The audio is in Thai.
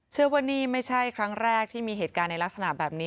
เชื่อว่านี่ไม่ใช่ครั้งแรกที่มีเหตุการณ์ในลักษณะแบบนี้